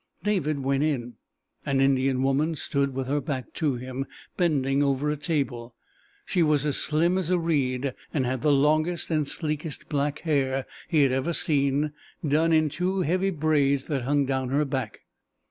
David went in. An Indian woman stood with her back to him, bending over a table. She was as slim as a reed, and had the longest and sleekest black hair he had ever seen, done in two heavy braids that hung down her back.